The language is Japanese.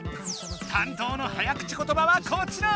担当の早口ことばはこちら！